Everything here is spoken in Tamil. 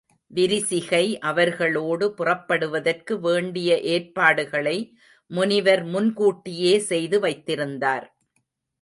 விரிசிகை அவர்களோடு புறப்படுவதற்கு வேண்டிய ஏற்பாடுகளை முனிவர் முன்கூட்டியே செய்து வைத்திருந்தார்.